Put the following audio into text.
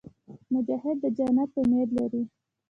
مجاهد د جنت امید لري.